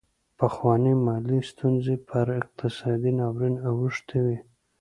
پخوانۍ مالي ستونزې پر اقتصادي ناورین اوښتې وې.